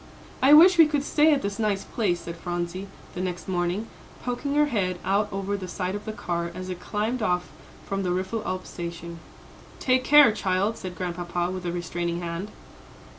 "I wish we could stay at this nice place," said Phronsie, the next morning, poking her head out over the side of the car, as it climbed off from the Riffelalp station. "Take care, child," said Grandpapa, with a restraining hand.